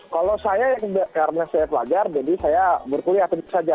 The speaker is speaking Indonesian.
kalau saya karena saya pelajar jadi saya berkuliah saja